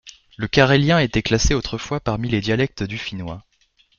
Le carélien était classé autrefois parmi les dialectes du finnois.